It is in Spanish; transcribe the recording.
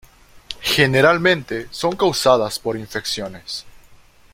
Generalmente son causadas por infecciones.